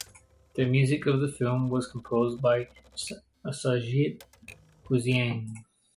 The music of the film was composed by Sajjad Hussain.